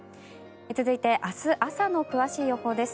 続いて明日朝の詳しい予報です。